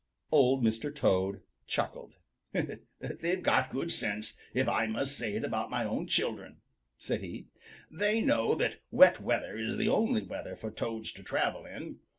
Old Mr. Toad chuckled. "They've got good sense, if I must say it about my own children," said he. "They know that wet weather is the only weather for Toads to travel in.